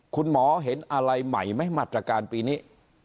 คุณหมอเห็นอะไรใหม่ไหมมาตรการปีนี้